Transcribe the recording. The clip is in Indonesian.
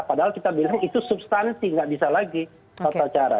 padahal kita bilang itu substansi nggak bisa lagi tata cara